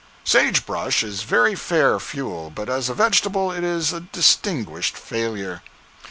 Sage brush is very fair fuel, but as a vegetable it is a distinguished failure.